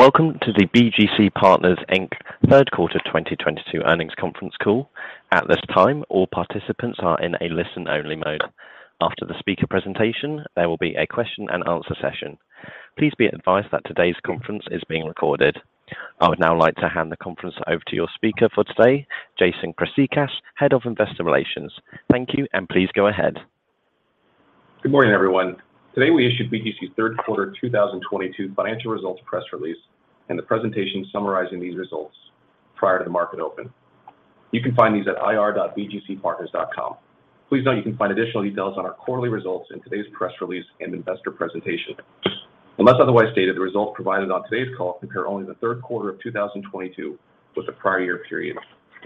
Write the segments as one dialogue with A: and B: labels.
A: Welcome to the BGC Group, Inc Third Quarter 2022 Earnings Conference Call. At this time, all participants are in a listen-only mode. After the speaker presentation, there will be a question and answer session. Please be advised that today's conference is being recorded. I would now like to hand the conference over to your speaker for today, Jason Chryssicas, Head of Investor Relations. Thank you, and please go ahead.
B: Good morning, everyone. Today, we issued BGC's Third Quarter 2022 Financial Results press release and the presentation summarizing these results prior to the market open. You can find these at ir.bgcpartners.com. Please note, you can find additional details on our quarterly results in today's press release and Investor Presentation. Unless otherwise stated, the results provided on today's call compare only the third quarter of 2022 with the prior year period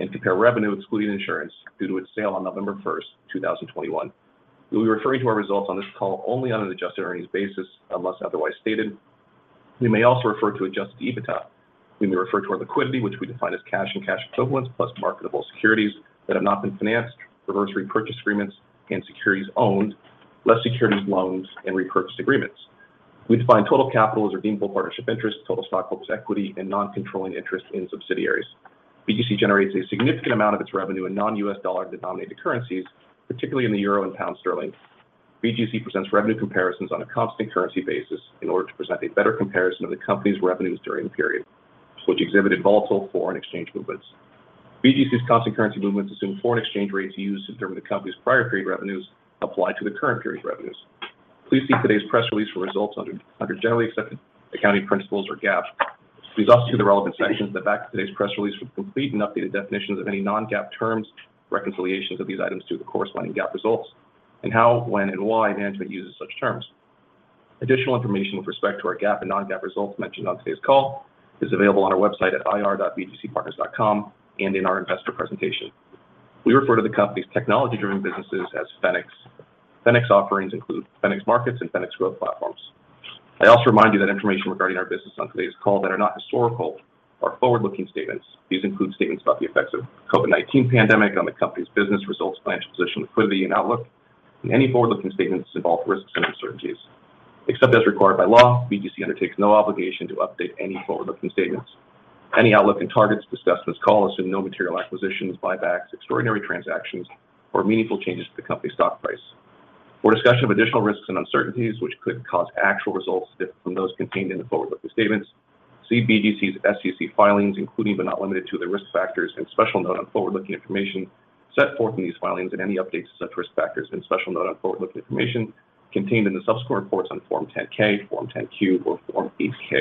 B: and compare revenue excluding insurance due to its sale on November 1, 2021. We'll be referring to our results on this call only on an adjusted earnings basis, unless otherwise stated. We may also refer to adjusted EBITDA. We may refer to our liquidity, which we define as cash and cash equivalents plus marketable securities that have not been financed, reverse repurchase agreements, and securities owned, less securities loans and repurchase agreements. We define total capital as redeemable partnership interest, total stockholders' equity, and non-controlling interest in subsidiaries. BGC generates a significant amount of its revenue in non-U.S. dollar-denominated currencies, particularly in the Euro and pound sterling. BGC presents revenue comparisons on a constant currency basis in order to present a better comparison of the company's revenues during the period, which exhibited volatile foreign exchange movements. BGC's constant currency movements assume foreign exchange rates used to determine the company's prior period revenues applied to the current period revenues. Please see today's press release for results under generally accepted accounting principles or GAAP. Please also see the relevant sections at the back of today's press release for complete and updated definitions of any non-GAAP terms, reconciliations of these items to the corresponding GAAP results, and how, when, and why management uses such terms. Additional information with respect to our GAAP and non-GAAP results mentioned on today's call is available on our website at ir.bgcpartners.com and in our Investor Presentation. We refer to the company's technology-driven businesses as Fenics. Fenics offerings include Fenics Markets and Fenics Growth Platforms. I also remind you that information regarding our business on today's call that are not historical are forward-looking statements. These include statements about the effects of COVID-19 pandemic on the company's business results, financial position, liquidity, and outlook, and any forward-looking statements involve risks and uncertainties. Except as required by law, BGC undertakes no obligation to update any forward-looking statements. Any outlook and targets discussed in this call assume no material acquisitions, buybacks, extraordinary transactions, or meaningful changes to the company's stock price. For a discussion of additional risks and uncertainties which could cause actual results to differ from those contained in the forward-looking statements, see BGC's SEC filings, including but not limited to the risk factors and special note on forward-looking information set forth in these filings and any updates to such risk factors and special note on forward-looking information contained in the subsequent reports on Form 10-K, Form 10-Q, or Form 8-K.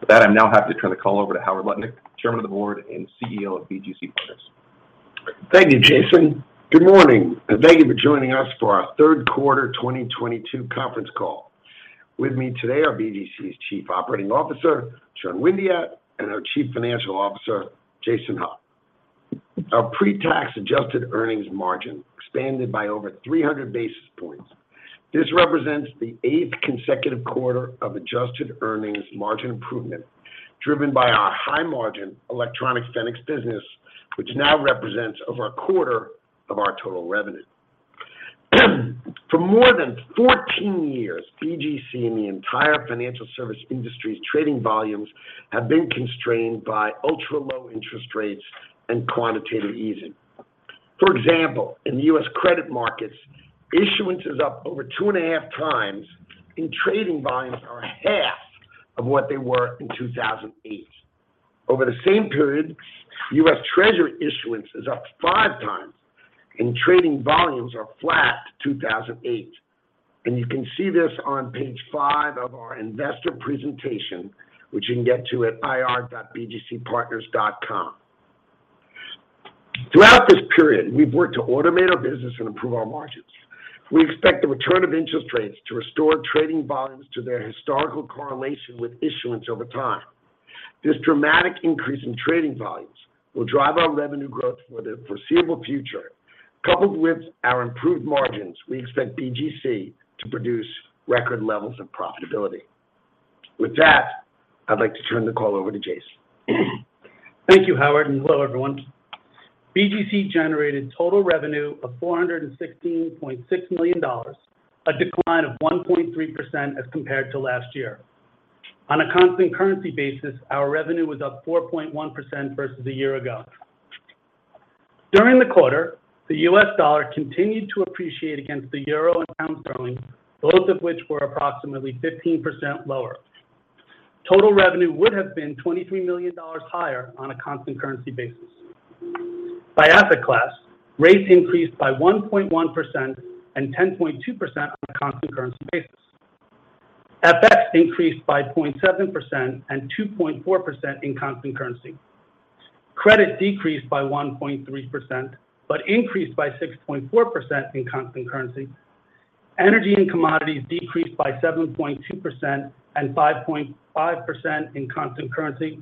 B: With that, I'm now happy to turn the call over to Howard Lutnick, Chairman of the Board and CEO of BGC Group.
C: Thank you, Jason. Good morning, and thank you for joining us for our Third Quarter 2022 Conference Call. With me today are BGC's Chief Operating Officer, Sean Windeatt, and our Chief Financial Officer, Jason Hauf. Our pre-tax adjusted earnings margin expanded by over 300 basis points. This represents the 8th consecutive quarter of adjusted earnings margin improvement, driven by our high-margin electronic Fenics business, which now represents over a quarter of our total revenue. For more than 14 years, BGC and the entire financial service industry's trading volumes have been constrained by ultra-low interest rates and quantitative easing. For example, in the U.S. credit markets, issuance is up over 2.5x, and trading volumes are half of what they were in 2008. Over the same period, U.S. Treasury issuance is up 5x, and trading volumes are flat to 2008. You can see this on page five of our Investor Presentation, which you can get to at ir.bgcpartners.com. Throughout this period, we've worked to automate our business and improve our margins. We expect the return of interest rates to restore trading volumes to their historical correlation with issuance over time. This dramatic increase in trading volumes will drive our revenue growth for the foreseeable future. Coupled with our improved margins, we expect BGC to produce record levels of profitability. With that, I'd like to turn the call over to Jason.
D: Thank you, Howard, and hello, everyone. BGC generated total revenue of $416.6 million, a decline of 1.3% as compared to last year. On a constant currency basis, our revenue was up 4.1% versus a year ago. During the quarter, the U.S. dollar continued to appreciate against the euro and pound sterling, both of which were approximately 15% lower. Total revenue would have been $23 million higher on a constant currency basis. By asset class, rates increased by 1.1% and 10.2% on a constant currency basis. FX increased by 0.7% and 2.4% in constant currency. Credit decreased by 1.3%, but increased by 6.4% in constant currency. Energy and commodities decreased by 7.2% and 5.5% in constant currency.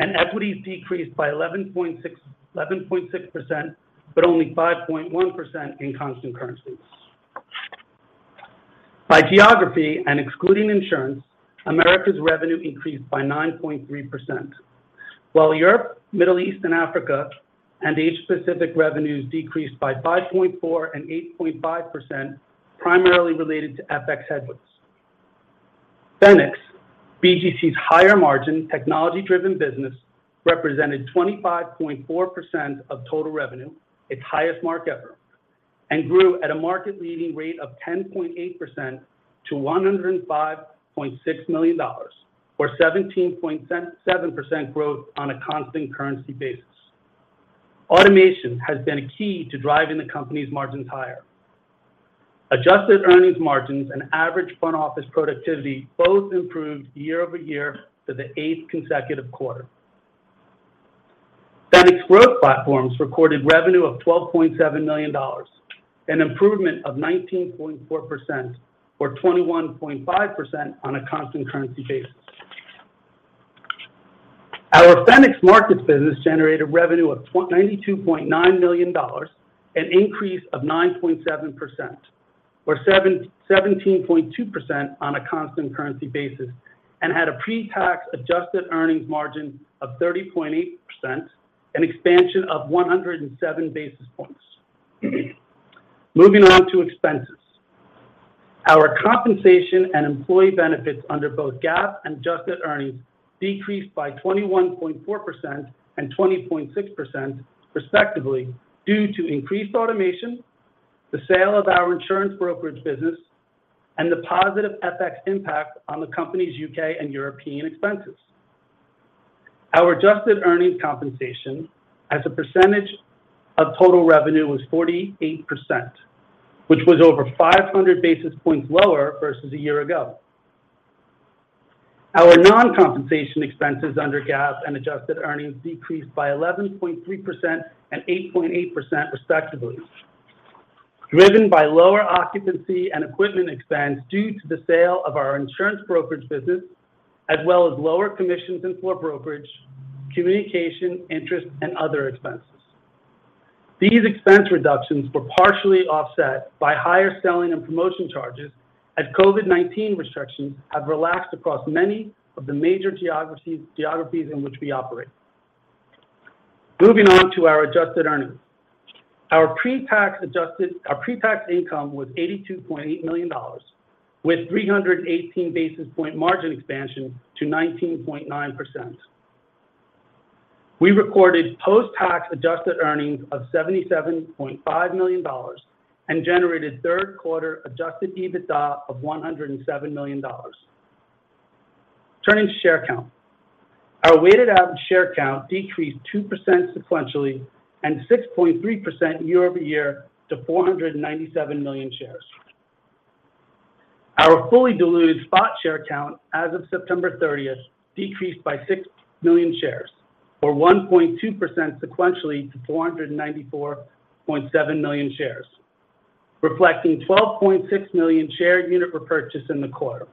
D: Equities decreased by 11.6%, but only 5.1% in constant currency. By geography, and excluding insurance, Americas revenue increased by 9.3%. While Europe, Middle East and Africa and Asia Pacific revenues decreased by 5.4% and 8.5% primarily related to FX headwinds. Fenics, BGC's higher margin technology-driven business represented 25.4% of total revenue, its highest mark ever, and grew at a market-leading rate of 10.8% to $105.6 million or 17.7% growth on a constant currency basis. Automation has been key to driving the company's margins higher. Adjusted earnings margins and average front office productivity both improved year over year for the eighth consecutive quarter. Fenics Growth Platforms recorded revenue of $12.7 million, an improvement of 19.4% or 21.5% on a constant currency basis. Our Fenics Markets business generated revenue of $92.9 million, an increase of 9.7% or 17.2% on a constant currency basis, and had a pre-tax adjusted earnings margin of 30.8%, an expansion of 107 basis points. Moving on to expenses. Our compensation and employee benefits under both GAAP and adjusted earnings decreased by 21.4% and 20.6% respectively, due to increased automation, the sale of our insurance brokerage business, and the positive FX impact on the company's U.K. and European expenses. Our adjusted earnings compensation as a percentage of total revenue was 48%, which was over 500 basis points lower versus a year ago. Our non-compensation expenses under GAAP and adjusted earnings decreased by 11.3% and 8.8% respectively, driven by lower occupancy and equipment expense due to the sale of our insurance brokerage business, as well as lower commissions and floor brokerage, communication, interest and other expenses. These expense reductions were partially offset by higher selling and promotion charges as COVID-19 restrictions have relaxed across many of the major geographies in which we operate. Moving on to our adjusted earnings. Our pre-tax income was $82.8 million, with 318 basis point margin expansion to 19.9%. We recorded post-tax adjusted earnings of $77.5 million and generated third quarter adjusted EBITDA of $107 million. Turning to share count. Our weighted average share count decreased 2% sequentially and 6.3% year over year to 497 million shares. Our fully diluted spot share count as of September thirtieth decreased by 6 million shares or 1.2% sequentially to 494.7 million shares, reflecting 12.6 million share unit repurchase in the quarter.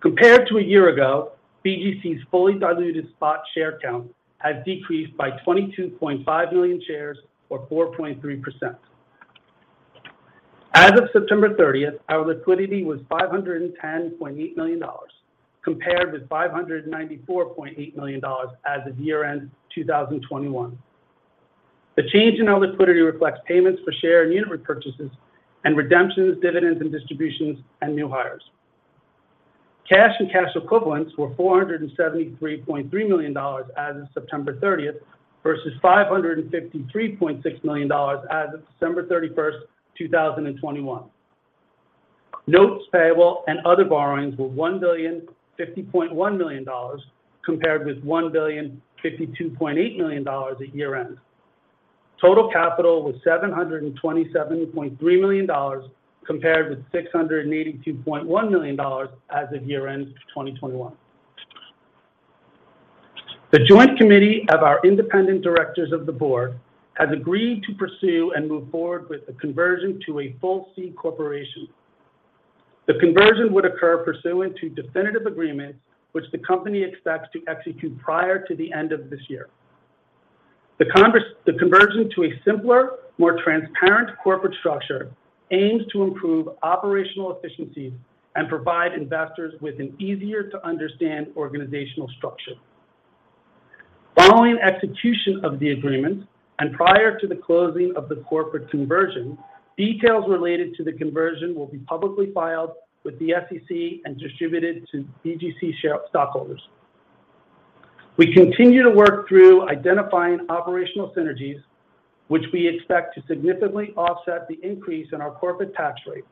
D: Compared to a year ago, BGC's fully diluted spot share count has decreased by 22.5 million shares or 4.3%. As of September thirtieth, our liquidity was $510.8 million, compared with $594.8 million as of year-end 2021. The change in our liquidity reflects payments for share and unit repurchases and redemptions, dividends and distributions and new hires. Cash and cash equivalents were $473.3 million as of September 30 versus $553.6 million as of December 31, 2021. Notes payable and other borrowings were $1.0501 billion, compared with $1.0528 billion at year-end. Total capital was $727.3 million, compared with $682.1 million as of year-end 2021. The joint committee of our independent directors of the board has agreed to pursue and move forward with a conversion to a full C corporation. The conversion would occur pursuant to definitive agreements, which the company expects to execute prior to the end of this year. The conversion to a simpler, more transparent corporate structure aims to improve operational efficiencies and provide investors with an easier-to-understand organizational structure. Following execution of the agreement and prior to the closing of the corporate conversion, details related to the conversion will be publicly filed with the SEC and distributed to BGC stockholders. We continue to work through identifying operational synergies, which we expect to significantly offset the increase in our corporate tax rate.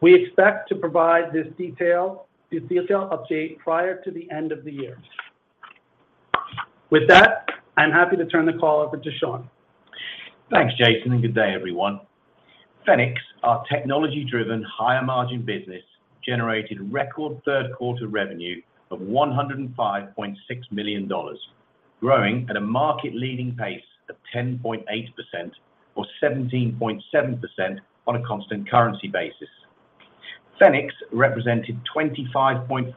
D: We expect to provide this detail update prior to the end of the year. With that, I'm happy to turn the call over to Sean.
E: Thanks, Jason, and good day, everyone. Fenics, our technology-driven higher margin business, generated record third quarter revenue of $105.6 million, growing at a market-leading pace of 10.8% or 17.7% on a constant currency basis. Fenics represented 25.4%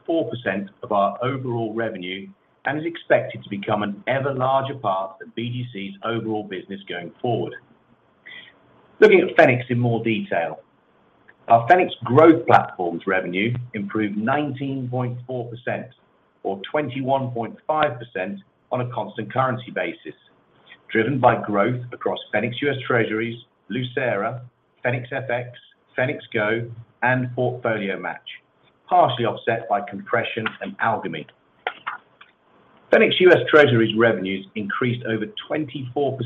E: of our overall revenue and is expected to become an ever larger part of BGC's overall business going forward. Looking at Fenics in more detail. Our Fenics Growth Platforms revenue improved 19.4% or 21.5% on a constant currency basis, driven by growth across Fenics U.S. Treasuries, Lucera, Fenics FX, Fenics GO, and PortfolioMatch, partially offset by compression in Algomi. Fenics U.S. Treasuries revenues increased over 24%,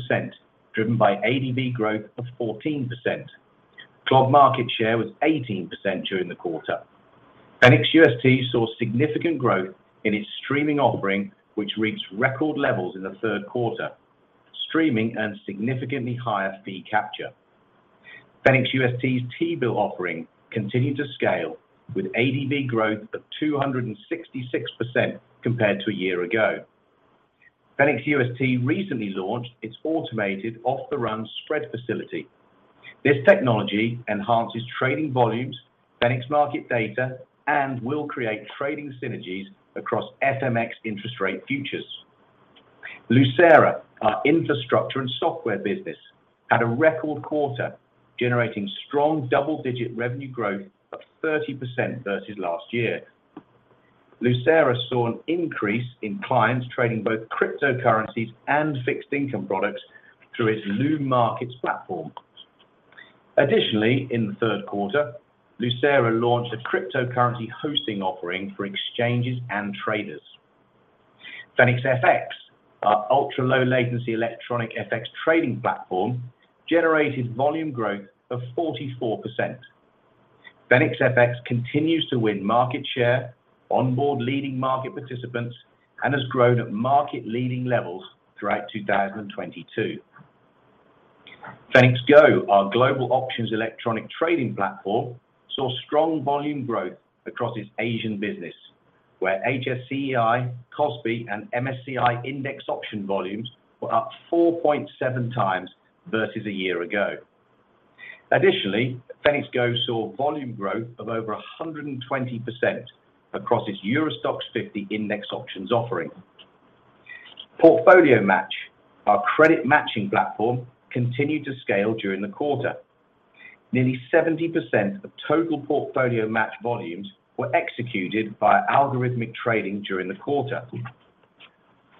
E: driven by ADV growth of 14%. CLOB market share was 18% during the quarter. Fenics UST saw significant growth in its streaming offering, which reached record levels in the third quarter. Streaming earned significantly higher fee capture. Fenics UST's T-bill offering continued to scale with ADV growth of 266% compared to a year ago. Fenics UST recently launched its automated off-the-run spread facility. This technology enhances trading volumes, Fenics Market Data, and will create trading synergies across FMX interest rate futures. Lucera, our infrastructure and software business, had a record quarter, generating strong double-digit revenue growth of 30% versus last year. Lucera saw an increase in clients trading both cryptocurrencies and fixed-income products through its LumeMarkets platform. Additionally, in the third quarter, Lucera launched a cryptocurrency hosting offering for exchanges and traders. Fenics FX, our ultra-low latency electronic FX trading platform, generated volume growth of 44%. Fenics FX continues to win market share, onboard leading market participants, and has grown at market-leading levels throughout 2022. Fenics GO, our global options electronic trading platform, saw strong volume growth across its Asian business, where HSCEI, KOSPI, and MSCI index option volumes were up 4.7x versus a year ago. Additionally, Fenics GO saw volume growth of over 120% across its EURO STOXX 50 index options offering. PortfolioMatch, our credit matching platform, continued to scale during the quarter. Nearly 70% of total PortfolioMatch volumes were executed via algorithmic trading during the quarter.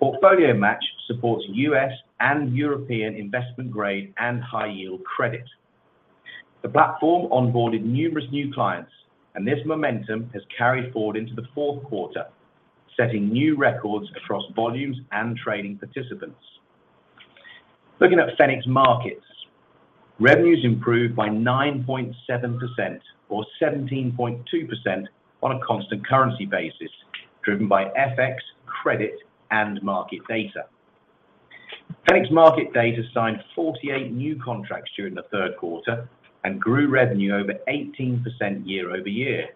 E: PortfolioMatch supports U.S. and European investment-grade and high-yield credit. The platform onboarded numerous new clients, and this momentum has carried forward into the fourth quarter, setting new records across volumes and trading participants. Looking at Fenics Markets. Revenues improved by 9.7% or 17.2% on a constant currency basis, driven by FX, credit, and market data. Fenics Market Data signed 48 new contracts during the third quarter and grew revenue over 18% year-over-year.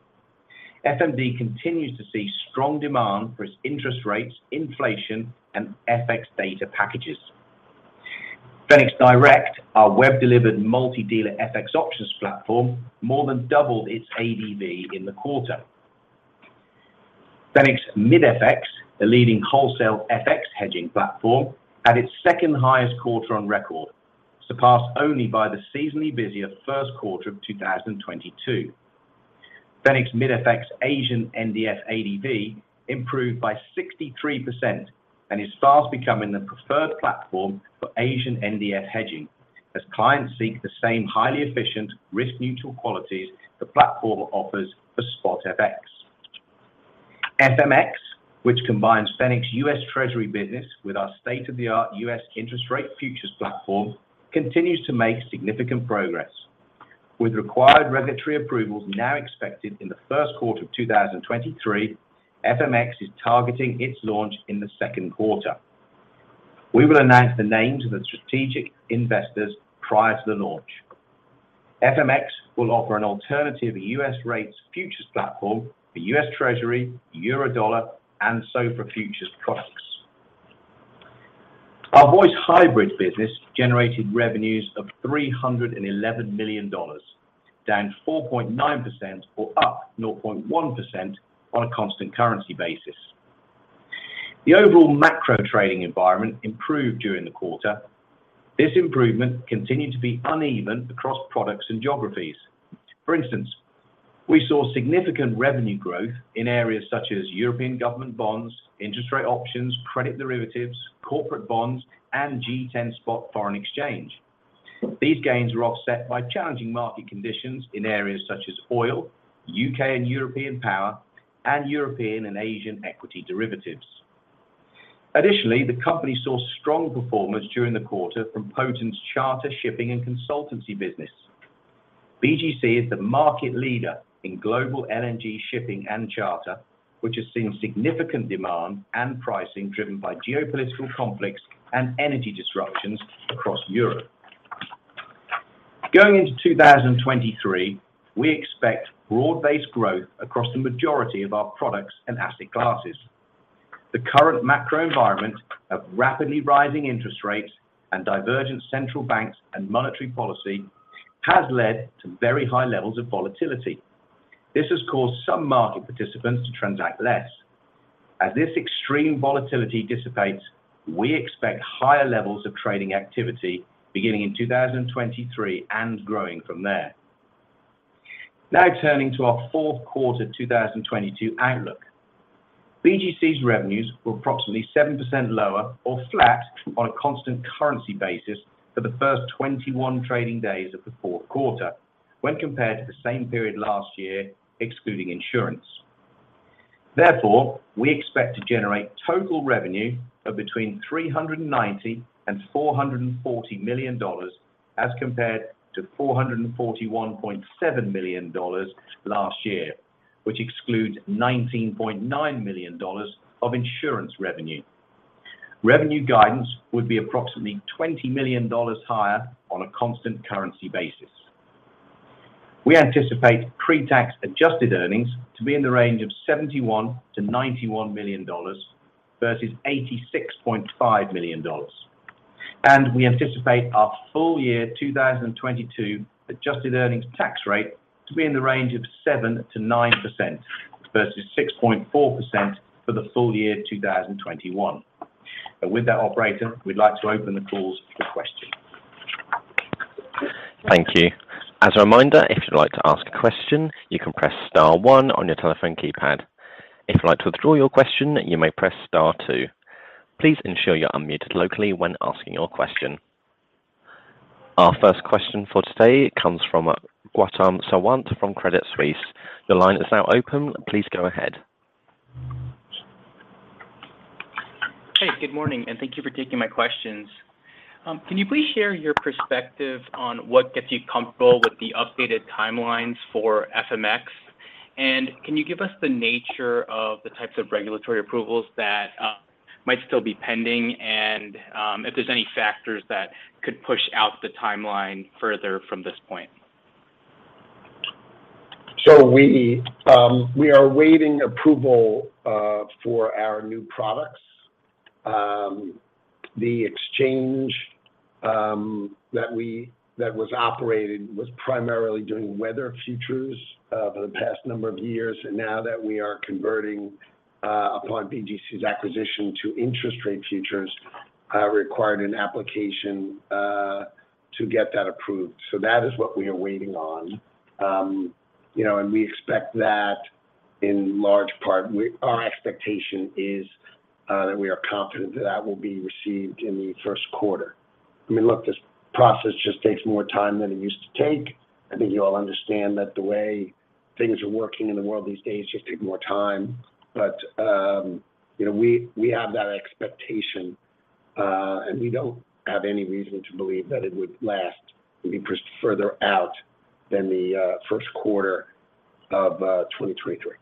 E: FMD continues to see strong demand for its interest rates, inflation, and FX data packages. Fenics Direct, our web-delivered multi-dealer FX options platform, more than doubled its ADV in the quarter. Fenics MID-FX, the leading wholesale FX hedging platform, had its second-highest quarter on record, surpassed only by the seasonally busier first quarter of 2022. Fenics MID-FX Asian NDF ADV improved by 63% and is fast becoming the preferred platform for Asian NDF hedging as clients seek the same highly efficient, risk-neutral qualities the platform offers for spot FX. FMX, which combines Fenics U.S. Treasuries business with our state-of-the-art U.S. interest rate futures platform, continues to make significant progress. With required regulatory approvals now expected in the first quarter of 2023, FMX is targeting its launch in the second quarter. We will announce the names of the strategic investors prior to the launch. FMX will offer an alternative U.S. rates futures platform for U.S. Treasury, Eurodollar, and SOFR futures products. Our voice hybrid business generated revenues of $311 million, down 4.9% or up 0.1% on a constant currency basis. The overall macro trading environment improved during the quarter. This improvement continued to be uneven across products and geographies. For instance, we saw significant revenue growth in areas such as European government bonds, interest rate options, credit derivatives, corporate bonds, and G10 spot foreign exchange. These gains were offset by challenging market conditions in areas such as oil, U.K. and European power, and European and Asian equity derivatives. Additionally, the company saw strong performance during the quarter from Poten's charter shipping and consultancy business. BGC is the market leader in global LNG shipping and charter, which has seen significant demand and pricing driven by geopolitical conflicts and energy disruptions across Europe. Going into 2023, we expect broad-based growth across the majority of our products and asset classes. The current macro environment of rapidly rising interest rates and divergent central banks and monetary policy has led to very high levels of volatility. This has caused some market participants to transact less.
C: As this extreme volatility dissipates, we expect higher levels of trading activity beginning in 2023 and growing from there. Now turning to our fourth quarter 2022 outlook. BGC's revenues were approximately 7% lower or flat on a constant currency basis for the first 21 trading days of the fourth quarter when compared to the same period last year, excluding insurance. Therefore, we expect to generate total revenue of between $390 million and $440 million as compared to $441.7 million last year, which excludes $19.9 million of insurance revenue. Revenue guidance would be approximately $20 million higher on a constant currency basis. We anticipate pre-tax adjusted earnings to be in the range of $71 million to $91 million versus $86.5 million. We anticipate our full year 2022 adjusted earnings tax rate to be in the range of 7%-9% versus 6.4% for the full year 2021. With that, operator, we'd like to open the call to questions.
A: Thank you. As a reminder, if you'd like to ask a question, you can press star one on your telephone keypad. If you'd like to withdraw your question, you may press star two. Please ensure you're unmuted locally when asking your question. Our first question for today comes from Gautam Sawant from Credit Suisse. The line is now open. Please go ahead.
F: Hey, good morning, and thank you for taking my questions. Can you please share your perspective on what gets you comfortable with the updated timelines for FMX? Can you give us the nature of the types of regulatory approvals that might still be pending and if there's any factors that could push out the timeline further from this point?
C: We are awaiting approval for our new products. The exchange that was operated was primarily doing weather futures for the past number of years. Now that we are converting upon BGC's acquisition to interest rate futures required an application to get that approved. That is what we are waiting on. You know, we expect that in large part. Our expectation is that we are confident that that will be received in the first quarter. Look, this process just takes more time than it used to take. I think you all understand that the way things are working in the world these days just take more time. We have that expectation, and we don't have any reason to believe that it would last, it'd be pushed further out than the first quarter of 2023.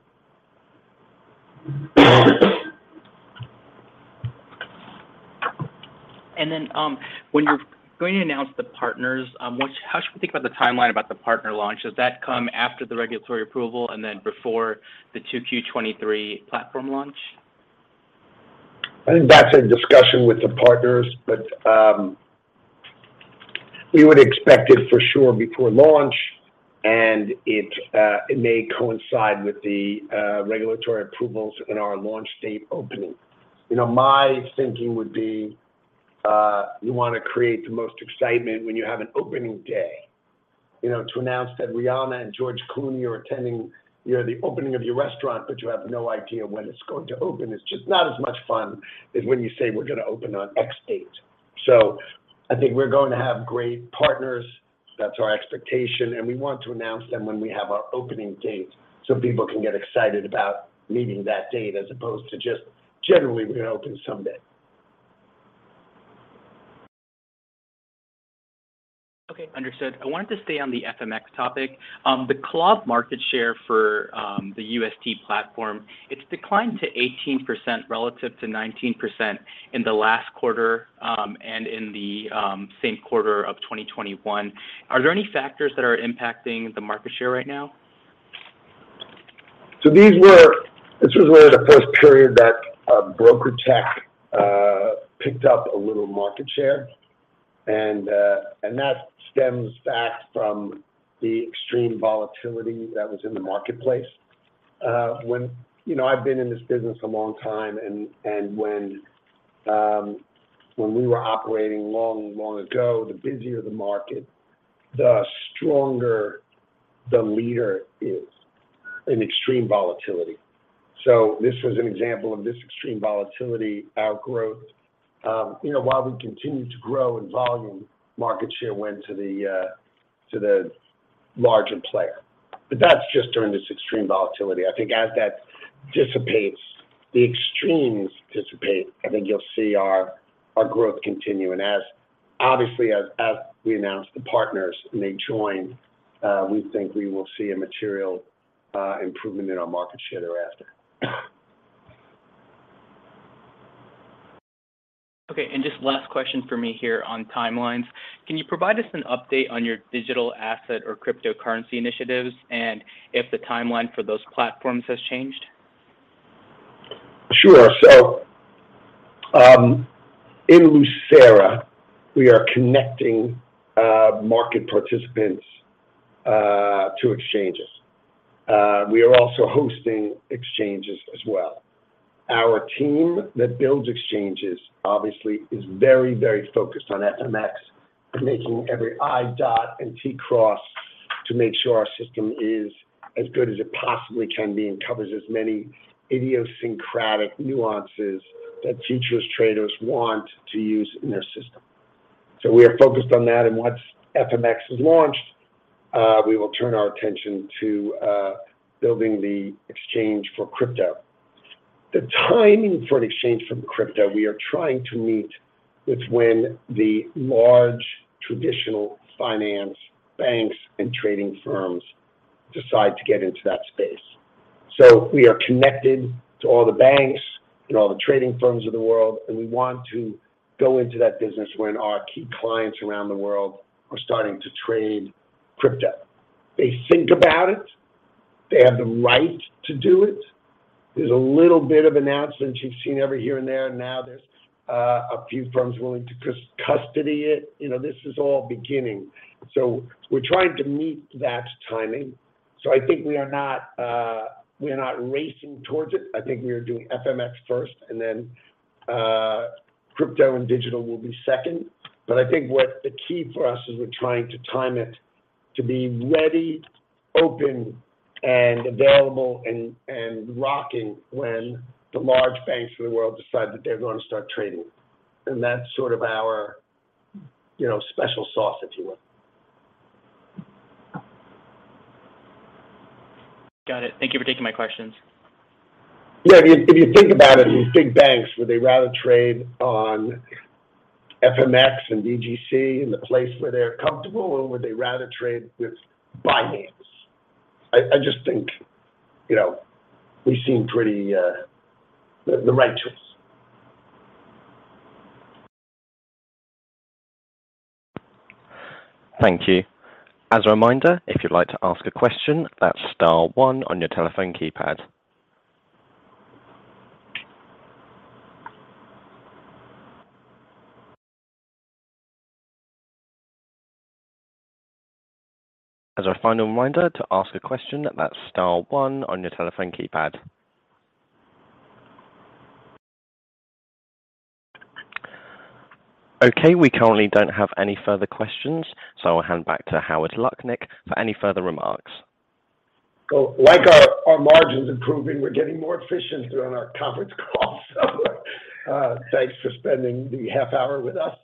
F: When you're going to announce the partners, how should we think about the timeline about the partner launch? Does that come after the regulatory approval and then before the 2Q 2023 platform launch?
C: I think that's a discussion with the partners, but we would expect it for sure before launch, and it may coincide with the regulatory approvals and our launch date opening. My thinking would be you wanna create the most excitement when you have an opening day. To announce that Rihanna and George Clooney are attending the opening of your restaurant, but you have no idea when it's going to open, it's just not as much fun as when you say we're gonna open on X date. I think we're going to have great partners. That's our expectation, and we want to announce them when we have our opening date so people can get excited about meeting that date as opposed to just generally we're gonna open someday.
F: Okay. Understood. I wanted to stay on the FMX topic. The CLOB market share for the UST platform, it's declined to 18% relative to 19% in the last quarter, and in the same quarter of 2021. Are there any factors that are impacting the market share right now?
C: This was really the first period that BrokerTec picked up a little market share. That stems back from the extreme volatility that was in the marketplace. I've been in this business a long time, and when we were operating long, long ago, the busier the market, the stronger the leader is in extreme volatility. This was an example of this extreme volatility, our growth. You know, while we continued to grow in volume, market share went to the larger player. That's just during this extreme volatility. I think as that dissipates, the extremes dissipate, I think you'll see our growth continue. Obviously, as we announce the partners and they join, we think we will see a material improvement in our market share thereafter.
F: Okay. Just last question for me here on timelines. Can you provide us an update on your digital asset or cryptocurrency initiatives and if the timeline for those platforms has changed?
C: Sure. In Lucera, we are connecting market participants to exchanges. We are also hosting exchanges as well. Our team that builds exchanges obviously is very, very focused on FMX and making every i dot and t cross to make sure our system is as good as it possibly can be and covers as many idiosyncratic nuances that futures traders want to use in their system. We are focused on that, and once FMX is launched, we will turn our attention to building the exchange for crypto. The timing for an exchange for crypto we are trying to meet is when the large traditional finance banks and trading firms decide to get into that space. We are connected to all the banks and all the trading firms of the world, and we want to go into that business when our key clients around the world are starting to trade crypto. They think about it. They have the right to do it. There's a little bit of announcements you've seen here and there, and now there's a few firms willing to custody it. You know, this is all beginning. We're trying to meet that timing, so I think we are not racing towards it. I think we are doing FMX first, and then crypto and digital will be second. But I think what the key for us is we're trying to time it to be ready, open, and available, and rocking when the large banks of the world decide that they're going to start trading. That's our special sauce, if you will.
F: Got it. Thank you for taking my questions.
C: If you think about it, these big banks, would they rather trade on FMX and BGC in the place where they're comfortable, or would they rather trade with Binance? I just think, we seem pretty the right choice.
A: Thank you. As a reminder, if you'd like to ask a question, that's star one on your telephone keypad. As a final reminder, to ask a question, that's star one on your telephone keypad. Okay. We currently don't have any further questions, so I'll hand back to Howard Lutnick for any further remarks.
C: Like our margins improving, we're getting more efficient on our conference calls. Thanks for spending the half hour with us,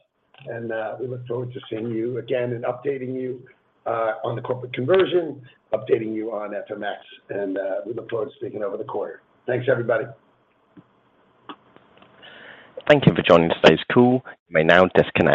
C: and we look forward to seeing you again and updating you on the corporate conversion, updating you on FMX, and we look forward to speaking over the quarter. Thanks, everybody.
A: Thank you for joining today's call. You may now disconnect.